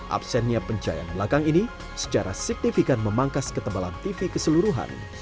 absennya pencahayaan belakang ini secara signifikan memangkas ketebalan tv keseluruhan